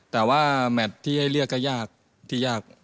แต่ว่าแมทที่ให้เรียกก็ยากที่ยาก